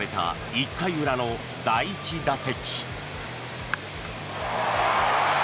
１回裏の第１打席。